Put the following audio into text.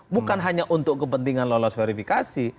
bukan hanya untuk kepentingan lolos verifikasi